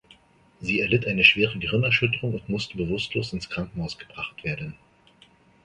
Sie erlitt eine schwere Gehirnerschütterung und musste bewusstlos ins Krankenhaus gebracht werden.